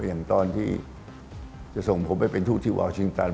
อย่างตอนที่จะส่งผมไปเป็นทูตที่วาวชิงตัน